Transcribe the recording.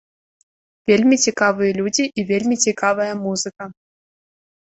Вельмі цікавыя людзі і вельмі цікавая музыка.